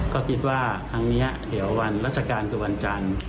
ก็คิดว่าครั้งนี้เดี๋ยววันราชการคือวันจันทร์